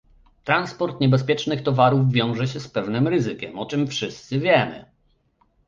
Transport niebezpiecznych towarów wiąże się z pewnym ryzykiem, o czym wszyscy wiemy